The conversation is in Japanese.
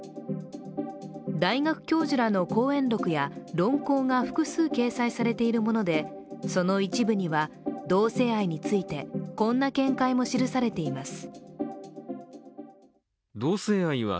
大学教授らの講演録や論考が複数掲載されているものでその一部には同性愛についてこんな見解も記されています。